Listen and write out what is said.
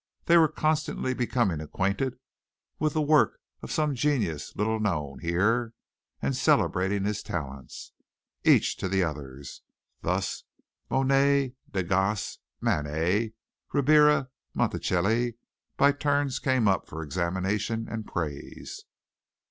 They were constantly becoming acquainted with the work of some genius little known here, and celebrating his talents, each to the others. Thus Monet, Degas, Manet, Ribera, Monticelli, by turns came up for examination and praise.